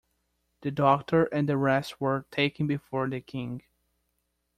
The Doctor and the rest were taken before the King.